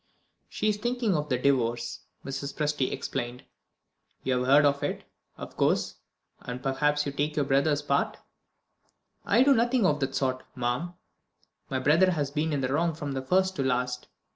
"She is thinking of the Divorce," Mrs. Presty explained. "You have heard of it, of course; and perhaps you take your brother's part?" "I do nothing of the sort, ma'am. My brother has been in the wrong from first to last."